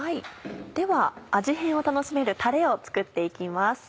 では味変を楽しめるたれを作って行きます。